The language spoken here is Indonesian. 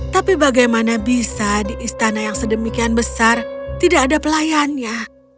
tapi bagaimana bisa di istana yang sedemikian besar tidak ada pelayannya